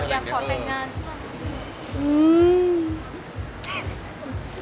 ก็มีคนสำหรับมาความนิยม